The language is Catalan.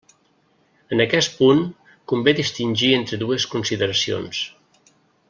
En aquest punt convé distingir entre dues consideracions.